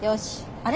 あれ？